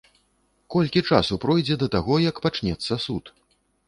Колькі часу пройдзе да таго, як пачнецца суд?